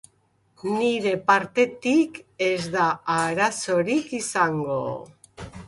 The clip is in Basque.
Nire partetik ez da arazorik izango.